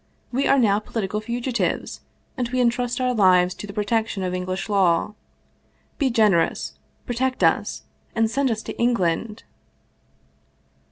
We are now political fugitives, and we intrust our lives to the protection of English law. Be generous, protect us, and send us to England